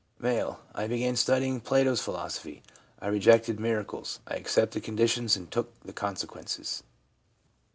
M. ' I began studying Plato's philosophy. I rejected miracles, I accepted conditions and took the consequences.'